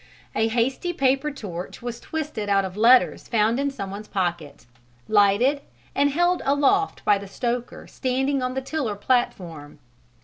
A hasty paper torch was twisted out of letters found in some one's pocket, lighted, and held aloft by the stoker standing on the tiller platform.